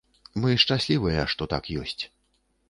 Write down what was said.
Мы шчаслівыя, што так ёсць.